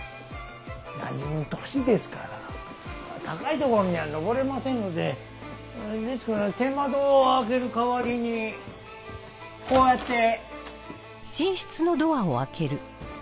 なにぶん年ですから高い所には登れませんのでですから天窓を開ける代わりにこうやって。